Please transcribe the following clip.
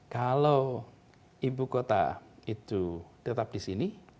kalau ibu kota itu tetap di sini